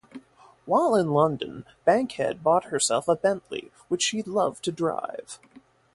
While in London, Bankhead bought herself a Bentley, which she loved to drive.